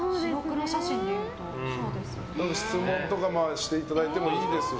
質問とかしていただいてもいいですし。